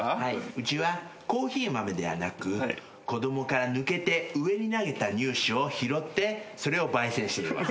うちはコーヒー豆ではなく子供から抜けて上に投げた乳歯を拾ってそれを焙煎しています。